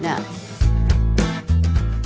เส้นแบบนี้มาตลอดเนี่ย